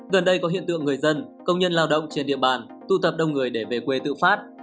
gần đây có hiện tượng người dân công nhân lao động trên địa bàn tụ tập đông người để về quê tự phát